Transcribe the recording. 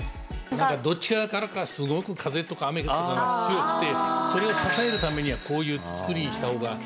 どっち側からかすごく風とか雨とかが強くてそれを支えるためにはこういうつくりにした方がいい。